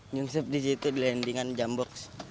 nyungsep di situ di landingan jump box